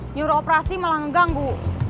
nyuruh operasi malah ngeganggu